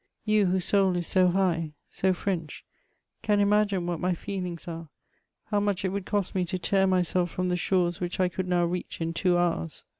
You whose soul is so high, so French, can imagine what my feelings are, how much it would cost me to tear myself £roni the shores which I could now reach in two hours.